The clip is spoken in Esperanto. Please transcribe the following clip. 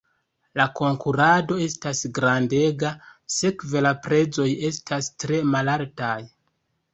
La konkurado estas grandega, sekve la prezoj estas tre malaltaj.